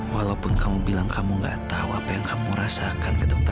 walaupun kamu bilang kamu gak tahu apa yang kamu rasakan